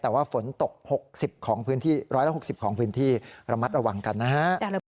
แต่ว่าฝนตก๑๖๐ของพื้นที่ระมัดระวังกันนะครับ